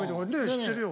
知ってるよ。